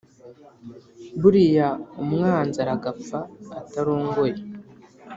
Buriya umwanzi aragapfa atarongoye